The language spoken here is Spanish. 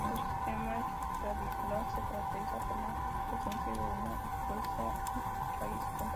Su sistema radicular se caracteriza por la presencia de una gruesa raíz central.